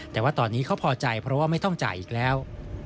แต่ว่าตอนนี้เขาพอใจเพราะว่าไม่ต้องจ่ายอีกแล้ว